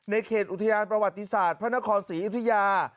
เขตอุทยานประวัติศาสตร์พระนครศรีอยุธยา